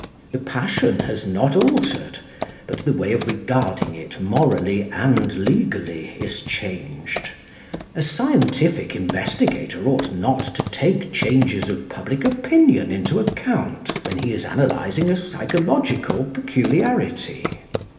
The passion has not altered; but the way of regarding it morally and legally is changed. A scientific investigator ought not to take changes of public opinion into account when he is analysing a psychological peculiarity.